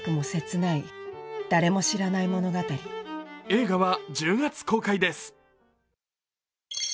映画は１０月公開です。